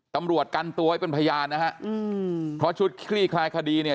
ตำรวจกันตัวไว้เป็นพยานนะฮะอืมเพราะชุดคลี่คลายคดีเนี่ย